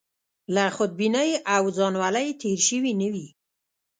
له خودبینۍ او ځانولۍ تېر شوي نه وي.